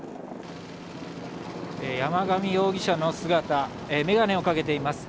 山上容疑者の姿、眼鏡をかけています。